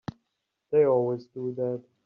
They always do that.